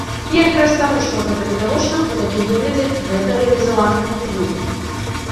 І якраз таму, што гэта відавочна, у такім выглядзе гэта рэалізавана не будзе.